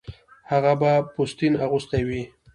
هغه به پوستین اغوستې وې